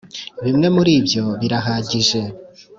bimwe muri byo birahagije .